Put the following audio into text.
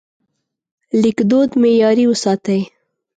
لیکدود معیاري وساتئ.